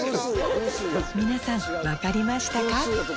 皆さん分かりましたか？